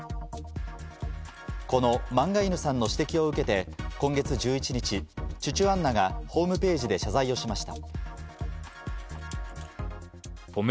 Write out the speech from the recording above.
この漫画犬さんの指摘を受けて今月１１日、チュチュアンナがホームページで謝罪をしました。